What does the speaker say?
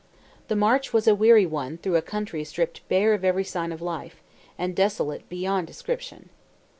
The march was a weary one through a country stripped bare of every sign of life, and desolate beyond description.